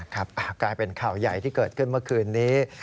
กลายเป็นข่าวใหญ่ที่เกิดขึ้นเมื่อคืนนี้